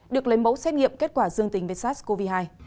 được lấy mẫu xét nghiệm kết quả dương tính với sars cov hai